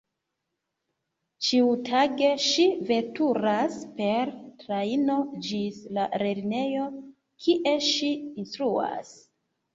Ĉiutage ŝi veturas per trajno ĝis la lernejo, kie ŝi instruas.